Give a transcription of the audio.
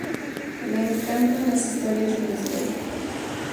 Le encantan las historias de misterio.